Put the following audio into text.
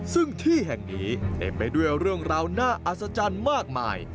ซึ่งที่แห่งนี้เต็มไปด้วยเรื่องราวน่าอัศจรรย์มากมาย